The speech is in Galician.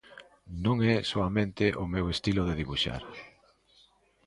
Non é soamente o meu estilo de debuxar.